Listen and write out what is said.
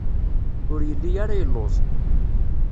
Ur yelli ara yelluẓ.